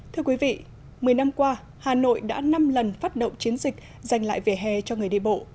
thưa quý vị một mươi năm qua hà nội đã năm lần phát động chiến dịch dành lại vỉa hè cho người đi bộ